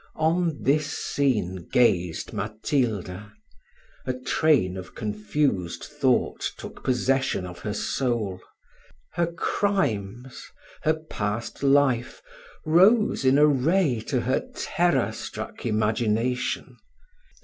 On this scene gazed Matilda a train of confused thought took possession of her soul her crimes, her past life, rose in array to her terror struck imagination.